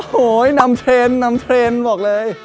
โหยนำเทรนด์นำเทรนด์บอกเลย